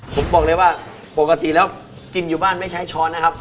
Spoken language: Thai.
ผมบอกเลยว่าปกติแล้วกินอยู่บ้านไม่ใช้ช้อนนะครับ